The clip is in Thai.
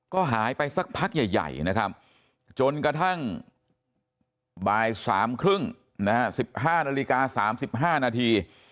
ก็หายไปสักพักใหญ่นะครับจนกระทั่งบ่าย๓๓๐๑๕นาฬิกา๓๕นาที